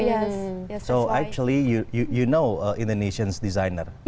jadi sebenarnya anda mengenali desainer indonesia